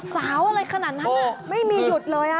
สาวอะไรขนาดนั้นไม่มีหยุดเลย